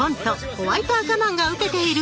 「ホワイト赤マン」がウケている